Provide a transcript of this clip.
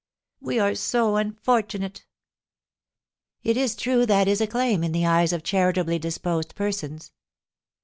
"We are so unfortunate!" "It is true that is a claim in the eyes of charitably disposed persons."